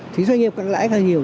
thì doanh nghiệp càng lãi càng nhiều